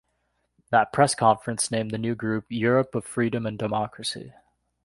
That press conference named the new group "Europe of Freedom and Democracy".